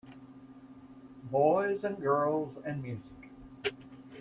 Boys and girls and music.